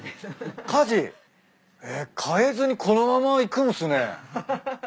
えっ？替えずにこのままいくんすね。